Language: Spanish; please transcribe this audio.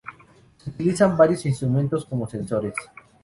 Se utilizan varios instrumentos como sensores.